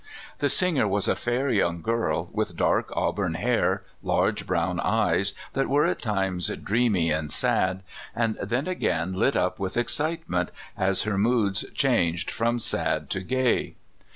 The singer was a fair young girl, with dark auburn hair, large brown eyes, that were at times dreamy and sad, and then again lit up with excitement, as her moods changed from sad to gay.